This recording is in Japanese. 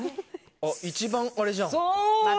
一番あれじゃん。